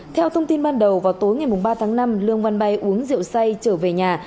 theo thông tin ban đầu vào tối ngày ba tháng năm lương văn bay uống rượu say trở về nhà